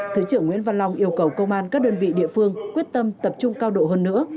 thứ trưởng nguyễn văn long yêu cầu công an các đơn vị địa phương quyết tâm tập trung cao độ hơn nữa